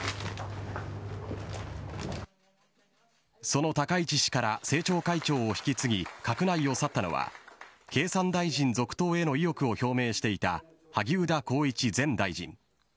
その高市氏から政調会長を引き継ぎ閣内を去ったのは経産大臣続投への意欲を表明していた萩生田光一前大臣。